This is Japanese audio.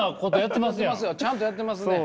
ちゃんとやってますね。